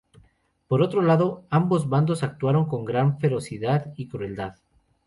Por otro lado, ambos bandos actuaron con gran ferocidad y crueldad.